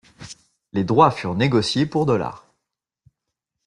Les droits furent négociés pour $.